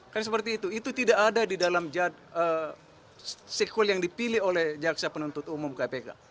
kan seperti itu itu tidak ada di dalam sequel yang dipilih oleh jaksa penuntut umum kpk